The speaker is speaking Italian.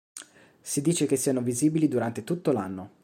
Si dice che siano visibili durante tutto l'anno.